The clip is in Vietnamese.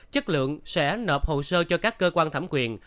chất lượng sẽ nợ hồ sơ cho các cơ quan thẩm quyền